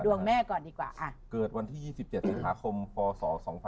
ดวงแม่ก่อนดีกว่าอ่ะเกิดวันที่๒๗สังหาคมพศ๒๕๐๙